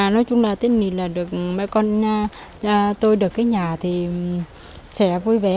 nói chung là tên này là được mẹ con tôi được cái nhà thì sẽ vui vẻ